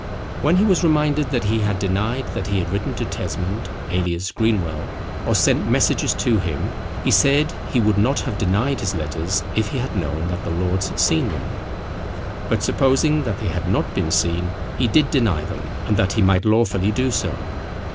When he was reminded that he had denied that he had written to Tesmond alias Greenwell, or sent messages to him, he said he would not have denied his letters if he had known that the lords had seen them; but supposing that they had not been seen he did deny them, and that he might lawfully do so.